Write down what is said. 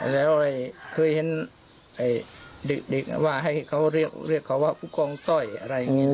แล้วเคยเห็นเด็กว่าให้เขาเรียกเขาว่าผู้กองต้อยอะไรอย่างนี้